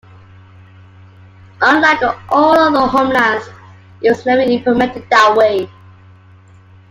Unlike all other homelands, it was never implemented that way.